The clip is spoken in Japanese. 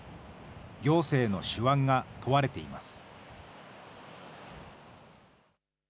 行政の手腕が問われています。